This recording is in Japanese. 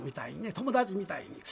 友達みたいに。